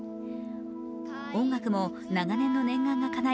音楽も長年の念願がかない